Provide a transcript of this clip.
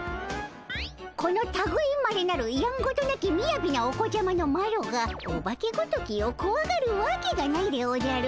このたぐいまれなるやんごとなきみやびなお子ちゃまのマロがオバケごときをこわがるわけがないでおじゃる。